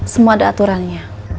semua ada aturannya